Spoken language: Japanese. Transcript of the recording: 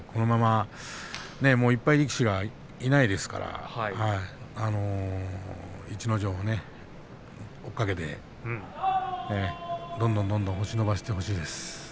１敗力士が、もういないですから逸ノ城を追いかけてどんどん星を伸ばしてほしいです。